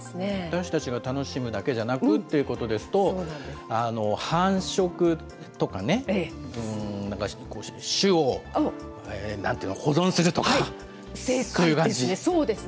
私たちが楽しむだけじゃなくっていうことですと、繁殖とかね、種をなんていうの、保存するとか、正解です。